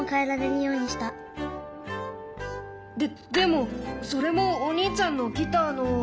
ででもそれもお兄ちゃんのギターの。